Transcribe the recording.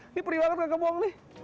ini periwetan gak kebuang nih